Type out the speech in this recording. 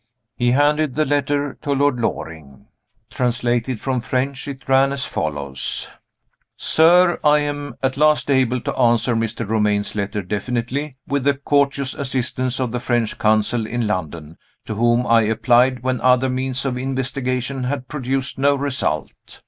He handed the letter to Lord Loring. Translated from the French, it ran as follows: "SIR I am at last able to answer Mr. Romayne's letter definitely, with the courteous assistance of the French Consul in London, to whom I applied when other means of investigation had produced no result.